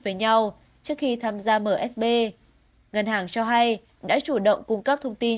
với nhau trước khi tham gia msb ngân hàng cho hay đã chủ động cung cấp thông tin